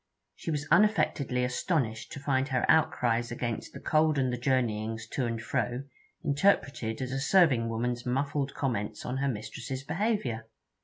She was unaffectedly astonished to find her outcries against the cold and the journeyings to and fro interpreted as a serving woman's muffled comments on her mistress's behaviour.